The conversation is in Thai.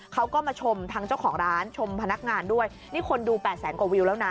เขาก็มาชมทางเจ้าของร้านชมพนักงานด้วยนี่คนดูแปดแสนกว่าวิวแล้วนะ